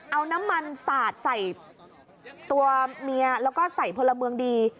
เอาน้ำมันสาดใส่ตัวเมียแล้วก็ใส่พลเมืองดี